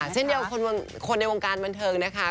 เช่นเดียวคนในวงการบันเทิงนะคะ